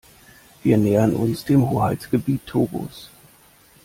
Wir nähern uns dem Hoheitsgebiet Togos.